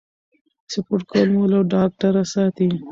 سپورت کول مو له ډاکټره ساتي.